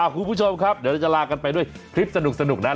คุณผู้ชมครับเดี๋ยวเราจะลากันไปด้วยคลิปสนุกนั้น